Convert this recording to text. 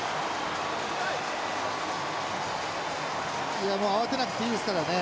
いやもう慌てなくていいですからね。